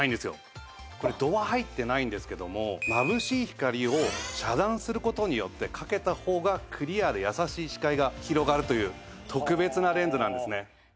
これ度は入ってないんですけどもまぶしい光を遮断する事によってかけた方がクリアで優しい視界が広がるという特別なレンズなんですね。